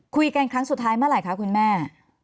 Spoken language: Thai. ครั้งสุดท้ายเมื่อไหร่คะคุณแม่